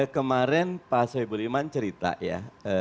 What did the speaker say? kemarin pak soebuliman cerita ya